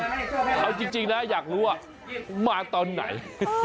เอาจริงนะอยากรู้ว่ามาตอนไหน